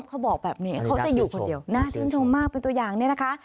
เขาบอกแบบนี้เขาจะอยู่คนเดียวน่าชื่นชมมากเป็นตัวอย่างเนี่ยนะคะ